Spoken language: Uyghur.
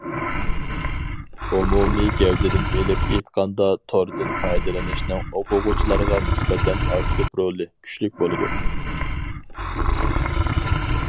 ئومۇمىي گەۋدىدىن ئېلىپ ئېيتقاندا، توردىن پايدىلىنىشنىڭ ئوقۇغۇچىلارغا نىسبەتەن ئاكتىپ رولى كۈچلۈك بولىدۇ.